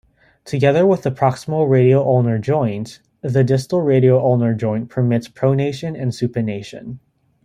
Together with the proximal radioulnar joint, the distal radioulnar joint permits pronation and supination.